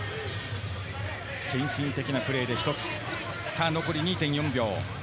献身的なプレーでひとつ、残り２．４秒。